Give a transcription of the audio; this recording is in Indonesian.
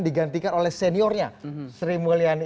digantikan oleh seniornya sri mulyani